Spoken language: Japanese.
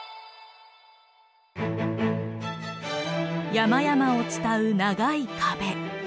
山々を伝う長い壁。